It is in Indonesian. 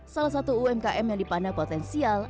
salah satu umkm yang dipandang potensial